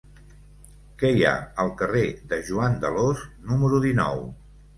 Què hi ha al carrer de Joan d'Alòs número dinou?